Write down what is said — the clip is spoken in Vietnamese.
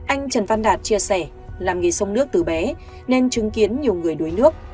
anh trần văn đạt chia sẻ làm nghề sông nước từ bé nên chứng kiến nhiều người đuối nước